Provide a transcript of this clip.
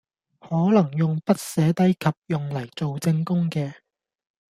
可能用筆寫低及用嚟做證供嘅